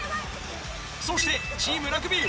そしてチームラグビー